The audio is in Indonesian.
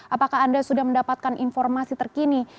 apakah anda sudah mendapatkan informasi terkini